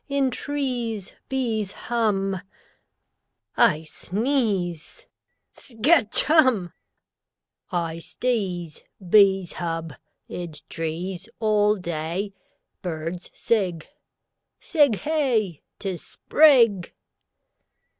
In trees Bees hum I sneeze Skatch Humb!! I sdeeze. Bees hub. Id trees All day Birds sig. Sig Hey! 'Tis Sprig!